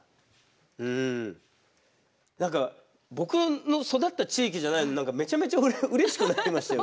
うん何か僕の育った地域じゃないのにめちゃめちゃうれしくなりましたよ。